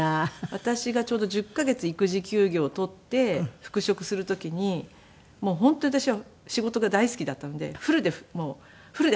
私がちょうど１０カ月育児休業を取って復職する時にもう本当私は仕事が大好きだったのでフルで働きたいと。